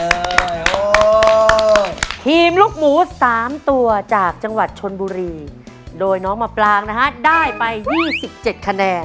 ทีมลูกหมู๓ตัวจากจังหวัดชนบุรีโดยน้องมะปลางนะฮะได้ไป๒๗คะแนน